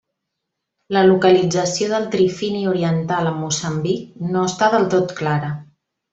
La localització del trifini oriental amb Moçambic no està del tot clara.